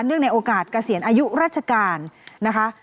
เนื่องในโอกาสเกษียณอายุรัชการนะคะ